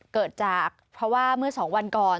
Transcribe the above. เกิดจากเพราะว่าเมื่อ๒วันก่อน